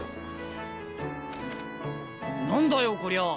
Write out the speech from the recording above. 何だよこりゃあ。